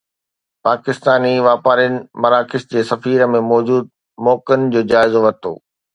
پاڪستاني واپارين مراکش جي سفير ۾ موجود موقعن جو جائزو ورتو